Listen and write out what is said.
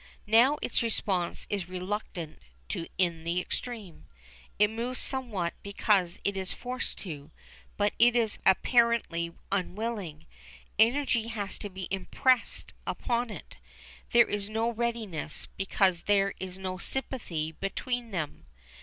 Now its response is reluctant in the extreme. It moves somewhat because it is forced to, but it is apparently unwilling. Energy has to be impressed upon it. There is no readiness, because there is no sympathy between them.